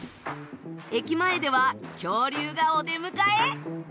駅前では恐竜がお出迎え。